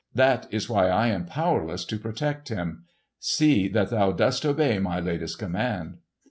"That is why I am powerless to protect him. See that thou dost obey my latest command!"